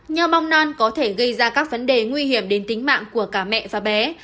nhong non có thể gây ra các vấn đề nguy hiểm đến tính mạng của cả mẹ và bé